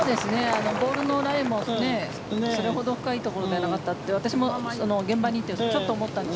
ボールのライもそれほど深いところではなかった私も現場にいてちょっと思ったんです。